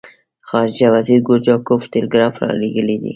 خارجه وزیر ګورچاکوف ټلګراف را لېږلی دی.